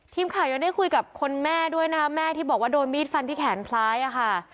ทีมข่าวยังได้คุยกับคนแม่ด้วยนะคะแม่ที่บอกว่าโดนมีดฟันที่แขนซ้ายอะค่ะ